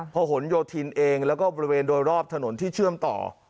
หนโยธินเองแล้วก็บริเวณโดยรอบถนนที่เชื่อมต่อ